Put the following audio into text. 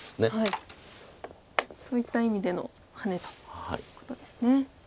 そういった意味でのハネということですね。